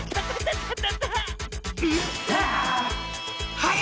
はい！